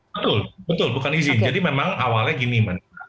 betul betul bukan izin jadi memang awalnya gini